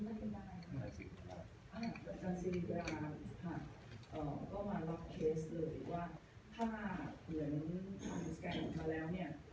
เอ่อก็มาเลยว่าถ้าเหมือนทำสแกนออกมาแล้วเนี่ย